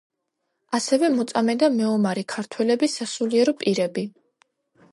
ასევე, მოწამე და მეომარი ქართველები, სასულიერო პირები.